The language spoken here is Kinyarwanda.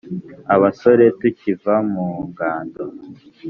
Abasore tukiva mu ngando.